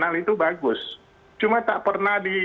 berapa gram sampai berarti